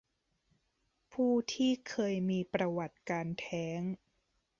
ผู้ที่เคยมีประวัติการแท้ง